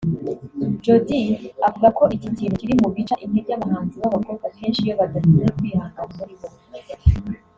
Jody avuga ko iki kintu kiri mu bica intege abahanzi b’abakobwa akenshi iyo badafite kwihangana muri bo